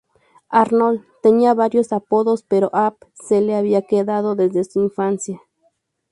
Arnold tenía varios apodos pero "Hap" se le había quedado desde su infancia.